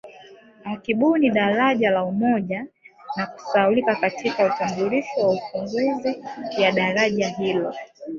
Akibuni daraja la Umoja na kusahaulika katika utambulisho wa ufunguzi ya daraja hilo